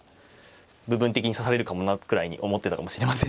部分的に指されるかもなくらいに思ってたかもしれませんね。